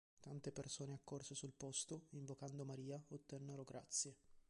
Tante persone accorse sul posto, invocando Maria, ottennero grazie.